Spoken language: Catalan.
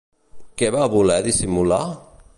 Què va voler dissimular?